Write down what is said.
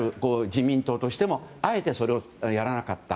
自民党としてもあえて、それをやらなかった。